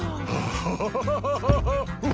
ハハハハハハ。